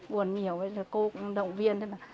buồn nhiều cô cũng động viên